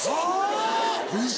ウソ！